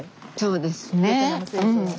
そうですよね。